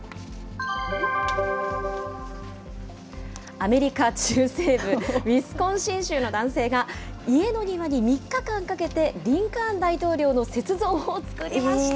アメリカ中西部ウィスコンシン州の男性が家の庭に３日間かけて、リンカーン大統領の雪像を作りました。